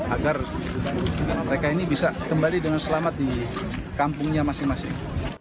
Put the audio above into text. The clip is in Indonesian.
agar mereka ini bisa kembali dengan selamat di kampungnya masing masing